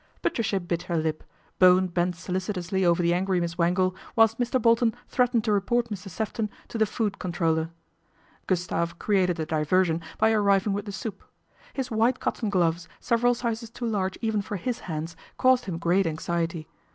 Patricia bit her lip, Bowen bent solicitously over the angry Miss Wangle, whilst Mr. Bolton threatened to report Mr. Sefton to the Food Con troller. Gustave created a diversion by arriving with the soup. His white cotton gloves, several sizes too large even for his hands, caused him great anxiety.